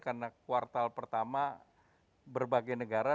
karena kuartal pertama berbagai negara